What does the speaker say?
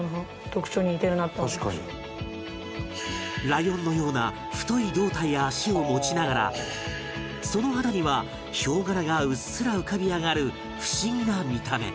ライオンのような太い胴体や脚を持ちながらその肌にはヒョウ柄がうっすら浮かび上がる不思議な見た目